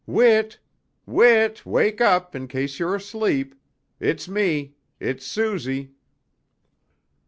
"Whit? Whit, wake up, in case you're asleep. It's me, it's Suzy."